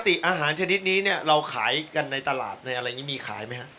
ปกติอาหารชนิดนี้เนี่ยเราขายกันในตลาดในอะไรอย่างนี้มีขายไหมฮะ